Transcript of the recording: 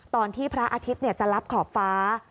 ตอนที่พระอาทิตย์จะรับขอบฟ้า